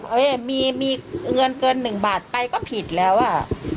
เอ๊มีเงินเกิน๑บาทไปก็ผิดแล้วอ่ะ